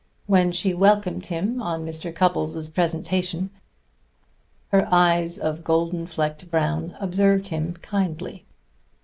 When she welcomed him on Mr. Cupples' presentation, her eyes of golden flecked brown observed him kindly.